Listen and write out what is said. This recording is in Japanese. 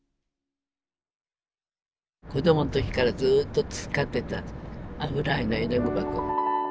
子どもの時からずっと使ってた油絵の絵の具箱。